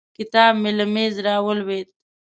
کتاب مې له مېز راولوېد.